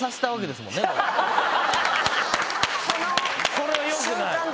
これはよくない。